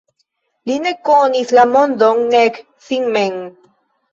Li ne konis la mondon nek sin mem?